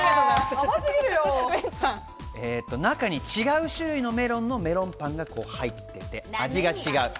中に違う種類のメロンパンが入ってて味が違う。